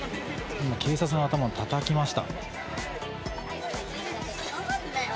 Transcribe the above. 今、警察の頭をたたきました。